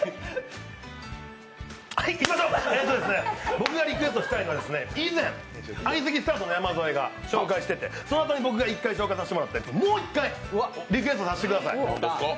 僕がリクエストしたいのは、以前、相席スタートの山添が紹介していてそのあとに僕が１回紹介させてもらったやつ、もう一回リクエストさせてください！